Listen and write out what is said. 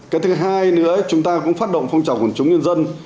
cái thứ hai nữa chúng ta cũng phát động phong trào của chúng nhân dân